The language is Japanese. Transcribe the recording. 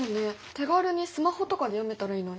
手軽にスマホとかで読めたらいいのに。